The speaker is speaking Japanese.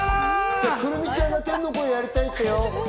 来泉ちゃんが天の声やりたいってよ。